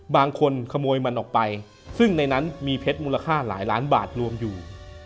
บางคนขโมยมันออกไปซึ่งในนั้นมีเพชรมูลค่าหลายล้านบาทรวมอยู่